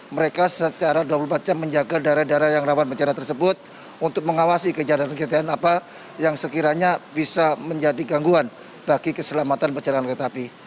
mereka secara dua puluh empat jam menjaga daerah daerah yang rawan bencana tersebut untuk mengawasi kejadian kejadian apa yang sekiranya bisa menjadi gangguan bagi keselamatan perjalanan kereta api